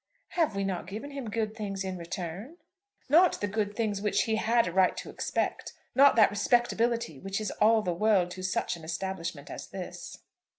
"Have we not given him good things in return?" "Not the good things which he had a right to expect, not that respectability which is all the world to such an establishment as this."